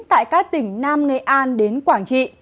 tại các tỉnh nam nghệ an đến quảng trị